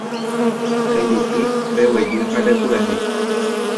Rejupi, reguejy ha repurahéi